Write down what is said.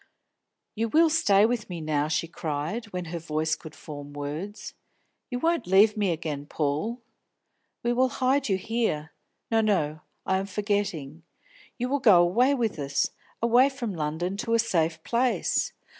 "You will stay with me now?" she cried, when her voice could form words. "You won't leave me again, Paul? We will hide you here. No, no; I am forgetting. You will go away with us, away from London to a safe place.